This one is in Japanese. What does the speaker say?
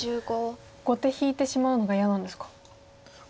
後手引いてしまうのが嫌なんですか。